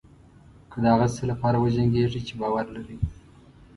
که د هغه څه لپاره وجنګېږئ چې باور لرئ.